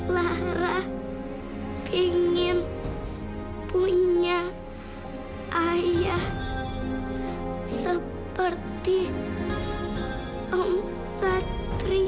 lara ingin punya ayah seperti om satria